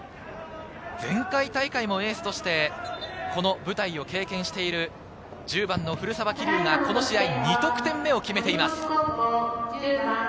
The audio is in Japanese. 前回大会もエースとしてこの舞台を経験している１０番の古澤希竜がこの試合、２得点目を決めています。